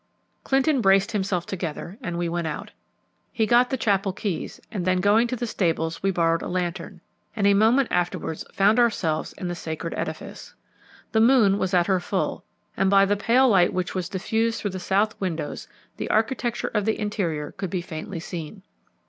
Clinton braced himself together and we went out. He got the chapel keys, and then going to the stables we borrowed a lantern, and a moment afterwards found ourselves in the sacred edifice. The moon was at her full, and by the pale light which was diffused through the south windows the architecture of the interior could be faintly seen.